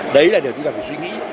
đấy là điều chúng ta phải suy nghĩ